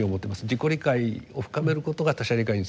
自己理解を深めることが他者理解に通じる。